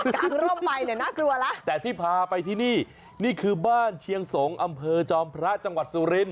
ขางร่มไปน่ากลัวละแต่ที่พาไปทีนี้นี่คือบ้านเชียงสงอำเภอจอมพระจังหวัดสุรินค่ะ